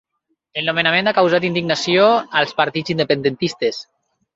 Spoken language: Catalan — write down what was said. El nomenament ha causat indignació als partits independentistes